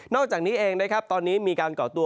นอกจากนี้เองตอนนี้มีการเกาะตัว